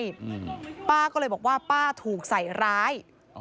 อืมป้าก็เลยบอกว่าป้าถูกใส่ร้ายอ๋อ